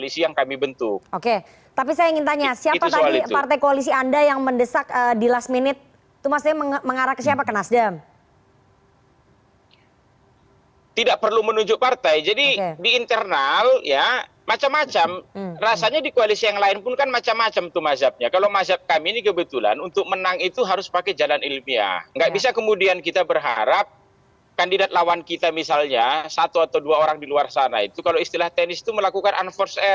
seperti yang tadi bilang mas buruhan